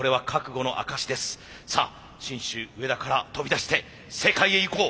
さあ信州上田から飛び出して世界へ行こう。